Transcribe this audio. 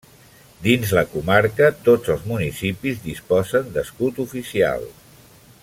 Dins la comarca, tots els municipis disposen d'escut oficial.